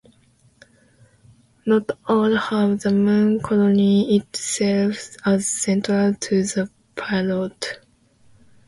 Not all have the Moon colony itself as central to the plot.